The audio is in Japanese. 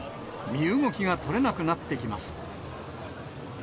身動きが取れなくなってきます。